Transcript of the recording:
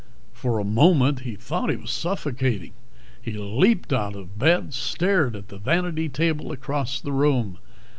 For a moment he thought he was suffocating. He leaped out of bed, stared at the vanity table across the room.